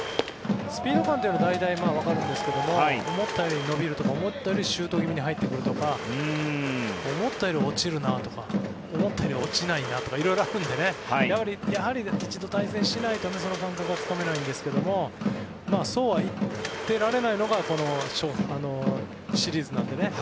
スピード感っていうのは大体、わかるんですけど思ったより伸びるとか思ったよりシュート気味に落ちるとか思ったより落ちるなとか思ったより落ちないなとか色々あるんでやはり一度対戦しないとその感覚はつかめないんですけどそうは言ってられないのがこのシリーズなのでね。